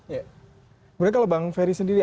kemudian kalau bang ferry sendiri